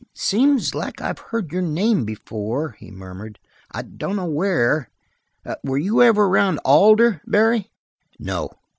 "Seems like I've heard your name before," he murmured. "I dunno where. Were you ever around Alder, Barry?" "No."